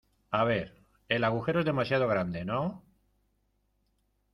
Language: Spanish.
a ver, el agujero es demasiado grande ,¿ no?